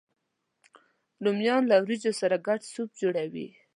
رومیان له ورېجو سره ګډ سوپ جوړوي